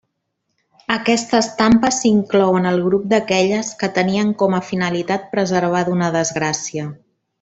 Aquesta estampa s'inclou en el grup d'aquelles que tenien com a finalitat preservar d'una desgràcia.